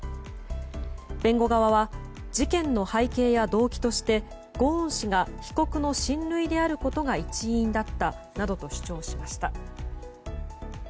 弁護側は事件の背景や動機としてゴーン氏が被告の親類であることが一因だったと主張しました。